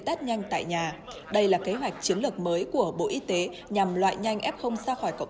tát nhanh tại nhà đây là kế hoạch chiến lược mới của bộ y tế nhằm loại nhanh f ra khỏi cộng